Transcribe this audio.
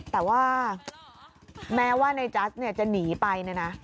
แต่ว่าแม้ว่าในจัสจะหนีไปนี่นะ